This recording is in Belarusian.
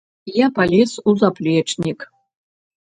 Я палез у заплечнік.